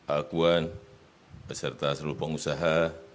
alkuan beserta seluruh pengusaha